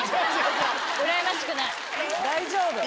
大丈夫。